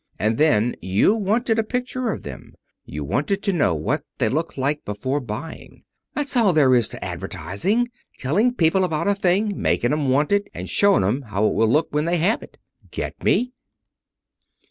And then you wanted a picture of them. You wanted to know what they looked like before buying. That's all there is to advertising. Telling people about a thing, making 'em want it, and showing 'em how it will look when they have it. Get me?"